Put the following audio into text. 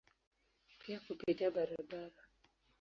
Pia kupitia barabara.